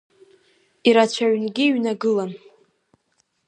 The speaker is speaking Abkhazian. Ирацәаҩнгьы иҩнагылан.